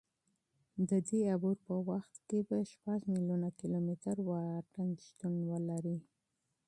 د دې عبور په وخت کې به شپږ میلیونه کیلومتره واټن شتون ولري.